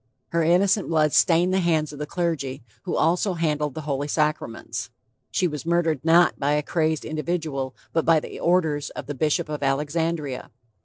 Her innocent blood stained the hands of the clergy, who also handle the Holy Sacraments. She was murdered not by a crazed individual but by the orders of the bishop of Alexandria.